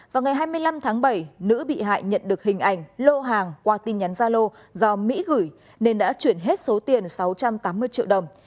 vào ngày hai mươi năm tháng bảy nữ bị hại nhận được hình ảnh lô hàng qua tin nhắn gia lô do mỹ gửi nên đã chuyển hết số tiền sáu trăm tám mươi triệu đồng